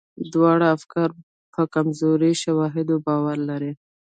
دواړه افکار په کمزورو شواهدو باور لري.